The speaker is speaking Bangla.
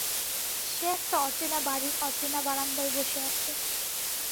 সে একটা অচেনা বাড়ির অচেনা বারান্দায় বসে আছে।